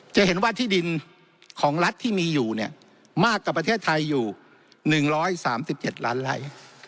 จะเห็นว่าที่ดินของรัฐที่มีอยู่เนี่ยมากกว่าประเทศไทยอยู่๑๓๗ล้านไล่